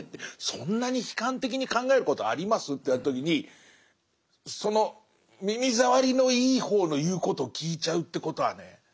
そんなに悲観的に考えることあります？って言われた時にその耳障りのいい方の言うことを聞いちゃうってことはね